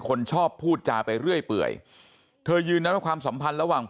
คนชอบพูดจาไปเรื่อยเปื่อยเธอยืนยันว่าความสัมพันธ์ระหว่าง